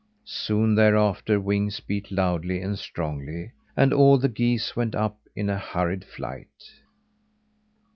Soon thereafter, wings beat loudly and strongly and all the geese went up in a hurried flight.